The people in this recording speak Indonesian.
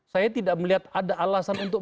saya tidak melihat ada alasan untuk